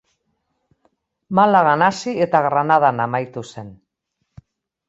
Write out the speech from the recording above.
Malagan hasi eta Granadan amaitu zen.